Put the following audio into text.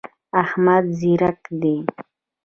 احمد ځیرک دی.